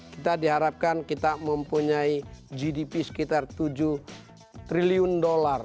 kita diharapkan kita mempunyai gdp sekitar tujuh triliun dolar